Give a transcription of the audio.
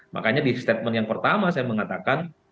makanya di statement yang pertama saya mengatakan